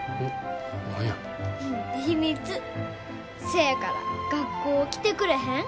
せやから学校来てくれへん？